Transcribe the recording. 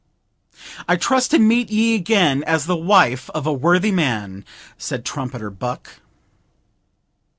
'I trust to meet ye again as the wife of a worthy man,' said Trumpeter Buck.